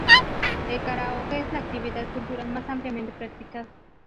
El karaoke es la actividad cultural más ampliamente practicada.